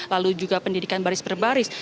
lalu juga pendidikan baris per baris